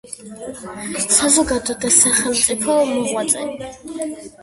საზოგადო და სახელმწიფო მოღვაწე.